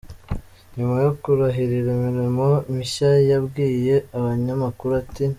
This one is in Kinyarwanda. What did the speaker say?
Nyuma yo kurahirira imirimo mishya yabwiye abanyamakuru ati: .